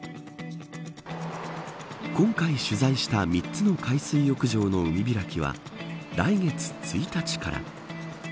今回、取材した３つの海水浴場の海開きは来月１日から。